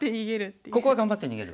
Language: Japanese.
ここは頑張って逃げる。